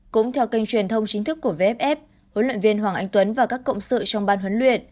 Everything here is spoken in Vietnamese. cũng theo kênh truyền thông chính thức của vff huấn luyện viên hoàng anh tuấn và các cộng sự trong ban huấn luyện